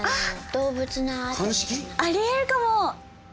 ありえるかも！